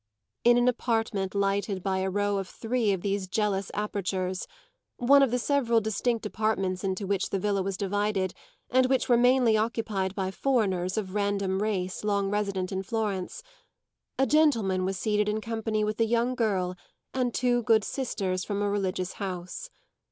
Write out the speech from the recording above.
In an apartment lighted by a row of three of these jealous apertures one of the several distinct apartments into which the villa was divided and which were mainly occupied by foreigners of random race long resident in Florence a gentleman was seated in company with a young girl and two good sisters from a religious house.